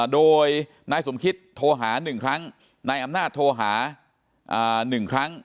โดยนายสมคิตโทรหา๑ครั้งนายอำนาจโทรหา๑ครั้ง